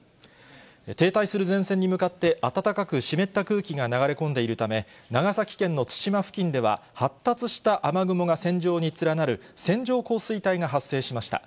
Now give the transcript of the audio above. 停滞する前線に向かって暖かく湿った空気が流れ込んでいるため、長崎県の対馬付近では発達した雨雲が線状に連なる線状降水帯が発生しました。